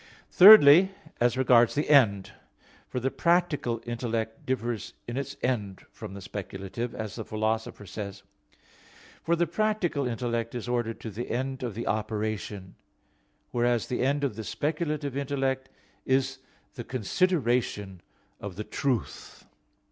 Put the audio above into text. Thirdly, as regards the end; "for the practical intellect differs in its end from the speculative," as the Philosopher says (De Anima iii). For the practical intellect is ordered to the end of the operation; whereas the end of the speculative intellect is the consideration of truth.